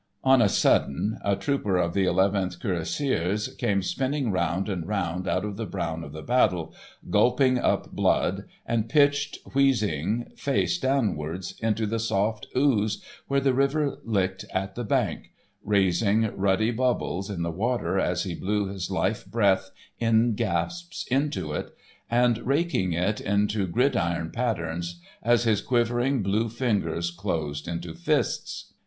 On a sudden, a trooper of the Eleventh Cuirassiers came spinning round and round out of the brown of the battle, gulping up blood, and pitched, wheezing, face downwards, into the soft ooze where the river licked at the bank, raising ruddy bubbles in the water as he blew his life breath in gasps into it, and raking it into gridiron patterns as his quivering, blue fingers closed into fists.